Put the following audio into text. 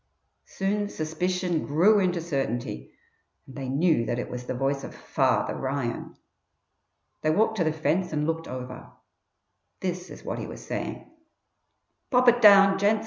Soon suspicion grew into certainty, and they knew that it was the voice of "Father" Ryan. They walked to the fence and looked over. This is what he was saying: "Pop it down, gents!